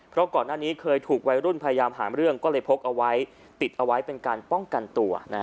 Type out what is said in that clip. เพราะก่อนหน้านี้เคยถูกวัยรุ่นพยายามหาเรื่องก็เลยพกเอาไว้ติดเอาไว้เป็นการป้องกันตัว